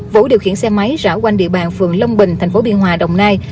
vũ điều khiển xe máy rão quanh địa bàn phường long bình thành phố biên hòa đồng nai